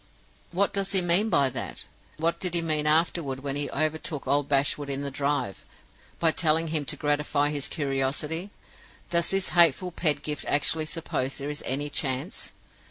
"What does he mean by that? And what did he mean afterward when he overtook old Bashwood in the drive, by telling him to gratify his curiosity? Does this hateful Pedgift actually suppose there is any chance